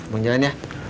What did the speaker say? mau jalan ya